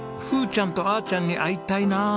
ちゃんとあーちゃんに会いたいなあ。